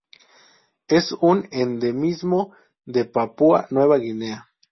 Es un endemismo de Papúa Nueva Guinea.